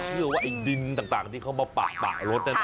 เพราะว่าไอ้ดินต่างที่เขามาปากปากรถนั่น